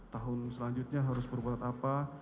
tahun selanjutnya harus berbuat apa